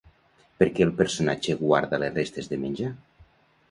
Per què el personatge guarda les restes de menjar?